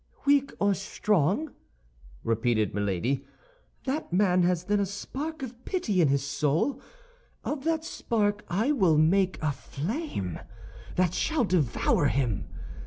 "Weak or strong," repeated Milady, "that man has, then, a spark of pity in his soul; of that spark I will make a flame that shall devour him.